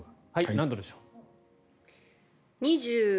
何度でしょう。